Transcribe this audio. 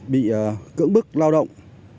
bị cưỡng bức lao động